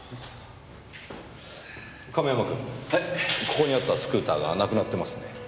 ここにあったスクーターがなくなってますね。